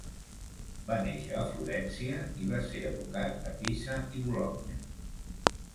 Va néixer a Florència, i va ser educat a Pisa i Bologna.